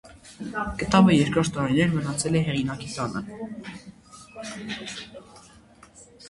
Կտավը երկար տարիներ մնացել է հեղինակի տանը։